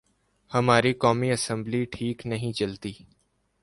ہماری قومی اسمبلی ٹھیک نہیں چلتی۔